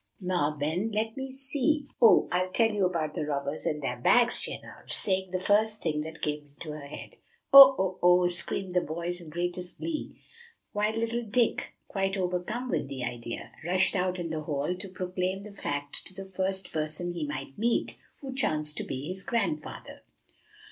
"Now, then, let me see, oh, I'll tell you about the Robbers and their Bags," she announced, saying the first thing that came into her head. "Oh! oh! oh!" screamed the boys in the greatest glee, while little Dick, quite overcome with the idea, rushed out in the hall to proclaim the fact to the first person he might meet, who chanced to be his grandfather.